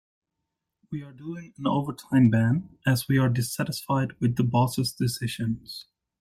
We are doing an overtime ban as we are dissatisfied with the boss' decisions.